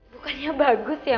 bukannya bagus ya